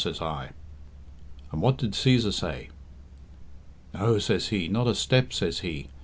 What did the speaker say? says I. "And what did Cæsar say?" "'No,' says he, 'not a step,' says he.